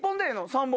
３本？